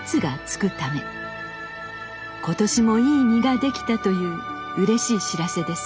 今年もいい実ができたといううれしい知らせです。